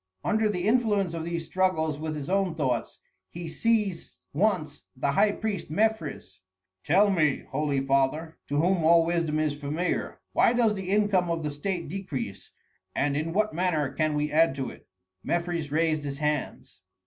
Under the influence of these struggles with his own thoughts, he seized once the high priest Mefres. "Tell me, holy father, to whom all wisdom is familiar, why does the income of the state decrease, and in what manner can we add to it?" Mefres raised his hands.